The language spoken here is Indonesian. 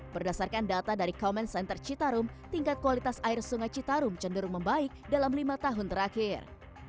berdasarkan data dari common center citarum tingkat kualitas air sungai citarum cenderung membaik dalam lima tahun terakhir